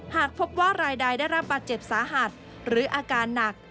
หากพบว่ารายใดได้รับบาดเจ็บสาหัสหรืออาการหนัก